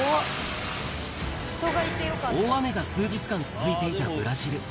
大雨が数日間続いていたブラジル。